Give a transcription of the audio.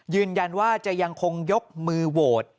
ยืนยันว่าจะยังคงยกมือโหวต